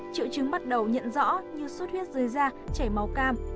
triệu chứng bắt đầu nhận rõ như sốt huyết dưới da chảy máu cam